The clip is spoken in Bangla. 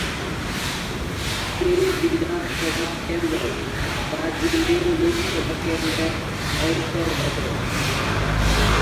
এই বিধানসভা কেন্দ্র দার্জিলিং লোকসভা কেন্দ্রের অন্তর্গত।